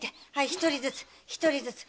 一人ずつ一人ずつ。